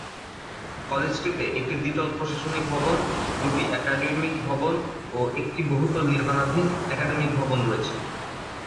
কলেজটিতে একটি দ্বিতল প্রশাসনিক ভবন দুটি একাডেমিক ভবন ও একটি বহুতল নির্মাণাধীন একাডেমিক ভবন রয়েছে।